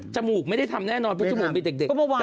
มูกไม่ได้ทำแน่นอนเพราะจมูกมีเด็ก